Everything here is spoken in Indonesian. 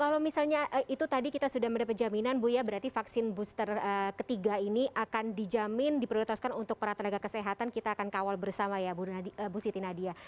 kalau misalnya itu tadi kita sudah mendapat jaminan bu ya berarti vaksin booster ketiga ini akan dijamin diprioritaskan untuk para tenaga kesehatan kita akan kawal bersama ya bu siti nadia